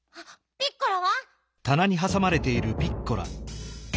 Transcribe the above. ピッコラ！